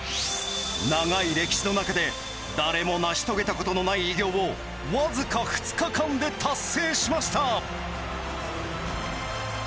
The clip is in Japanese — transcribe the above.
長い歴史の中で誰も成し遂げたことのない偉業を僅か２日間で達成しました。